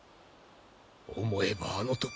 思えばあの時。